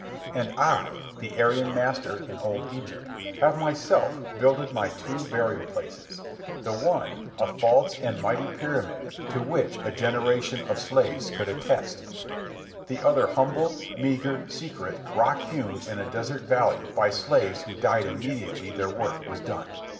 And I, the Aryan master in old Egypt, have myself builded my two burial places—the one a false and mighty pyramid to which a generation of slaves could attest; the other humble, meagre, secret, rock hewn in a desert valley by slaves who died immediately their work was done.